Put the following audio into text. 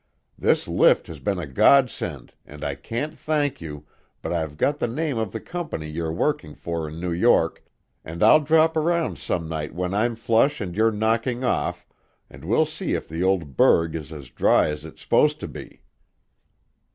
"This lift has been a godsend, and I can't thank you, but I've got the name of the company you're working for in New York and I'll drop around some night when I'm flush and you're knocking off, and we'll see if the old burg is as dry as it's supposed to be."